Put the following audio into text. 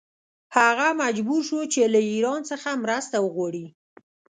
هغه مجبور شو چې له ایران څخه مرسته وغواړي.